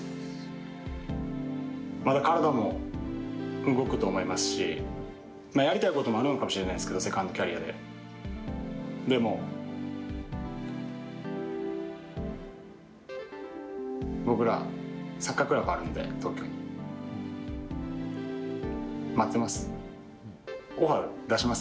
まだ体も動くと思いますし、やりたいこともあるのかもしれないですけど、セカンドキャリアで、でも僕ら、サッカークラブあるんで、東京に。待ってます。